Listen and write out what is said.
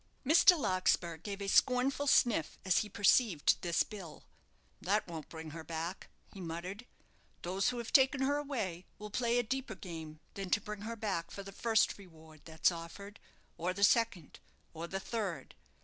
Mr. Larkspur gave a scornful sniff as he perceived this bill. "That won't bring her back," he muttered. "Those who've taken her away will play a deeper game than to bring her back for the first reward that's offered, or the second, or the third.